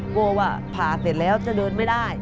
กลัวว่าผ่าเสร็จแล้วจะเดินไม่ได้